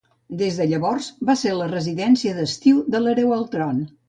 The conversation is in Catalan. Des de llavors, va ser la residència d'estiu de l'hereu al tron.